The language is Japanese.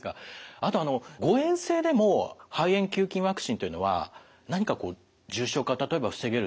あとあの誤えん性でも肺炎球菌ワクチンというのは何か重症化を例えば防げるとか効果はあるんでしょうか？